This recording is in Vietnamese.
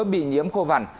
bị nhiễm khô vằn